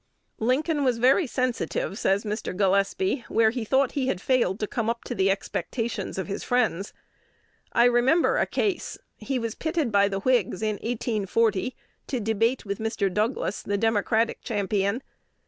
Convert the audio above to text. "He was very sensitive," says Mr. Gillespie, "where he thought he had failed to come up to the expectations of his friends. I remember a case. He was pitted by the Whigs, in 1840, to debate with Mr. Douglas, the Democratic champion.